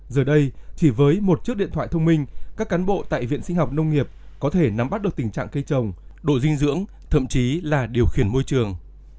giờ đây chỉ với một chiếc điện thoại thông minh các cán bộ tại viện sinh học nông nghiệp có thể nắm bắt được tình trạng cây trồng độ dinh dưỡng thậm chí là điều khiển môi trường